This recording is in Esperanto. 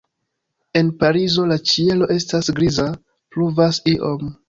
En Parizo la ĉielo estas griza, pluvas iom.